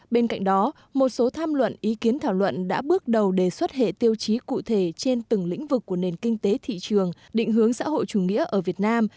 bên cạnh đó một số tham luận ý kiến thảo luận đã bước đầu đề xuất hệ tiêu chí cụ thể trên từng lĩnh vực của nền kinh tế thị trường định hướng xã hội chủ nghĩa ở việt nam